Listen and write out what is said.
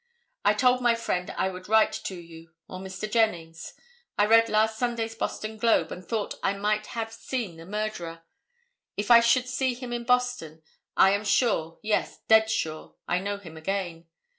I told my friend I would write to you, or Mr. Jennings, I read last Sunday's Boston Globe, and thought that I might have seen the murderer. If I should see him in Boston, I am sure, yes, dead sure, I know him again.